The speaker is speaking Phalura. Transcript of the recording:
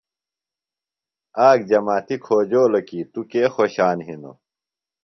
آک جماتیۡ کھوجولوۡ کی تُوۡ کے خوشان ہِنوۡ۔